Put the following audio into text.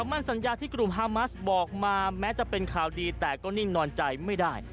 มั่นสัญญาที่กลุ่มฮามัสบอกมาแม้จะเป็นข่าวดีแต่ก็นิ่งนอนใจไม่ได้